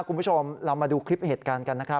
คุณผู้ชมเรามาดูคลิปเหตุการณ์กันนะครับ